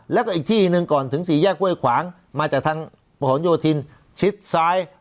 แล้วก็อีกที่หนึ่งก่อนถึงสี่แยกห้วยขวางมาจากทางประหลโยธินชิดซ้าย